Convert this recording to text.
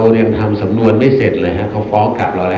ยังทำสำนวนไม่เสร็จเลยฮะเขาฟ้องกลับเราแล้ว